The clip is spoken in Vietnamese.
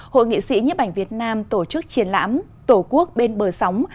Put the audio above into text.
hội nghị sĩ nhấp ảnh việt nam tổ chức triển lãm tổ quốc bên bờ sóng